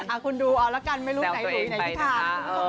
อ่าคุณดูเอาแล้วกันไม่รู้ไหนหลุยไหนที่ถาม